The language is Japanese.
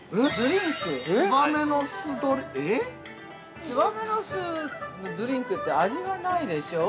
◆ツバメの巣のドリンクって、味はないでしょう。